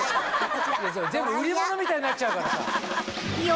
全部売り物みたいになっちゃうからさ。